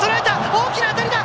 大きな当たりだ！